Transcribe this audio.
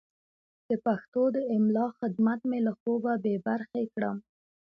د پښتو د املا خدمت مې له خوبه بې برخې کړم.